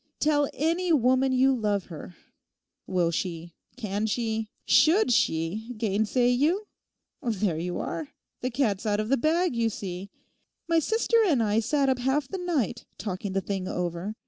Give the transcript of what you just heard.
Tell any woman you love her; will she, can she, should she, gainsay you? There you are. The cat's out of the bag, you see. My sister and I sat up half the night talking the thing over.